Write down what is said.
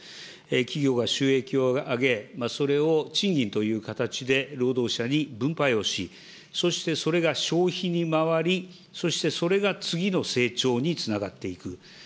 企業が収益を上げ、それを賃金という形で労働者に分配をし、そしてそれが消費に回り、そしてそれが次の成長につながっていく。